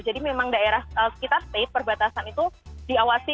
jadi memang daerah sekitar state perbatasan itu diawasi